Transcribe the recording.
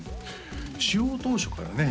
使用当初からね